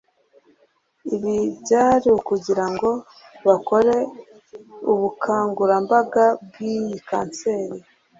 Ibi byari ukugira ngo bakore ubukangurambaga bw’iyi cancer